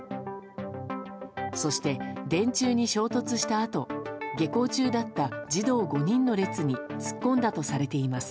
そして電柱に衝突したあと下校中だった児童５人の列に突っ込んだとされています。